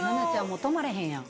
もう止まれへんやん。